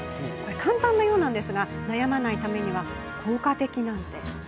簡単なようですが悩まないためには効果的なんです。